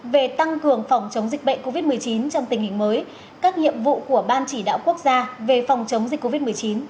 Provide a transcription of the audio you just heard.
về tăng cường phòng chống dịch bệnh covid một mươi chín trong tình hình mới các nhiệm vụ của ban chỉ đạo quốc gia về phòng chống dịch covid một mươi chín